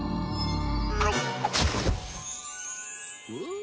ん？